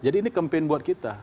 jadi ini campaign buat kita